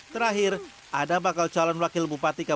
terakhir ada bakal calon wakil bupati kabupaten